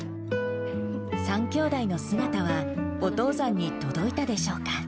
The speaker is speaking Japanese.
３兄弟の姿は、お父さんに届いたでしょうか。